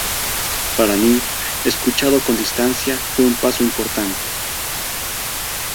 Para mí, escuchado con distancia, fue un paso importante.